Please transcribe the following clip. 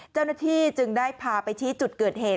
เจ้าหน้าที่จึงได้พาไปชี้จุดเกิดเหตุ